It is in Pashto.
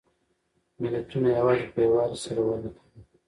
ملتونه یوازې په یووالي سره وده کوي.